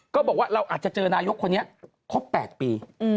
ก็บอกว่าเราอาจจะเจอนายกคนนี้ครบ๘ปี